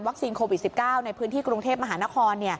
โควิด๑๙ในพื้นที่กรุงเทพมหานคร